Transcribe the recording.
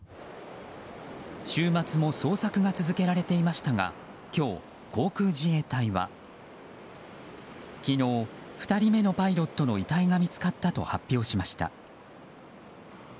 週末も捜索が続けられていましたが今日、航空自衛隊は昨日、２人目のパイロットの遺体が見つかったと発表しました。